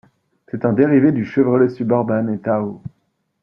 C'est un dérivé du Chevrolet Suburban et Tahoe.